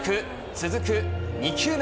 続く２球目。